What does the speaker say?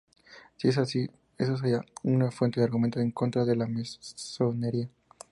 Si es así, eso sería un fuerte argumento en contra de la masonería.